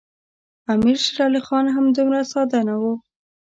امیر شېر علي خان هم دومره ساده نه وو.